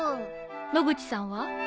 野口さんは？